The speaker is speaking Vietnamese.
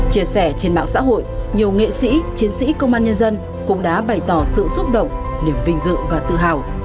chia sẻ trên mạng xã hội nhiều nghệ sĩ chiến sĩ công an nhân dân cũng đã bày tỏ sự xúc động niềm vinh dự và tự hào